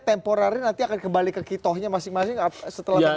atau perarirnya nanti akan kembali ke kitohnya masing masing setelah ini